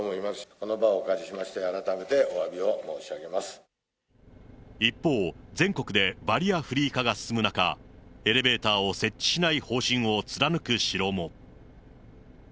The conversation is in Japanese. この場をお借りしまして、一方、全国でバリアフリー化が進む中、エレベーターを設置しない方針を貫く城も。